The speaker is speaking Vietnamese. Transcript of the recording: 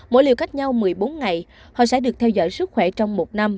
mỗi liều cách nhau một mươi bốn ngày họ sẽ được theo dõi sức khỏe trong một năm